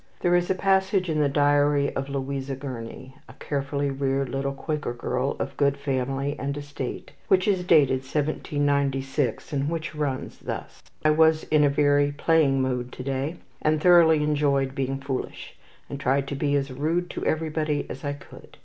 There is a passage in the diary of Louisa Gurney, a carefully reared little Quaker girl of good family and estate, which is dated 1796, and which runs thus: "I was in a very playing mood to day, and thoroughly enjoyed being foolish, and tried to be as rude to everybody as I could.